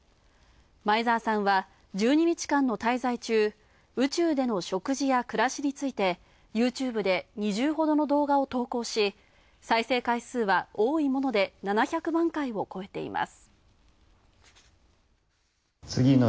前澤さんは、１２日間の滞在中、宇宙での食事や暮らしについて、ユーチューブで２０ほどの動画を投稿し再生回数は多いもので７００万回を超えています。